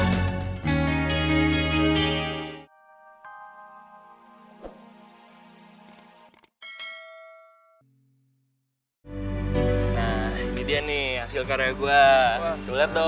nah ini dia nih hasil karya gue lo liat dong